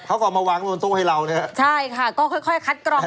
เค้าก็มาวางบนโต๊ะให้เราเนี่ยใช่ค่ะก็ค่อยคัดกรองกันไป